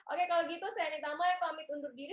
oke kalau gitu saya anitta amlai pamit undur diri